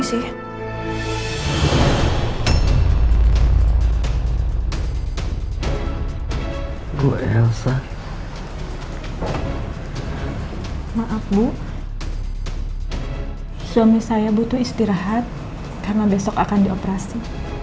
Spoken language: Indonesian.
suami saya butuh istirahat karena besok akan dioperasi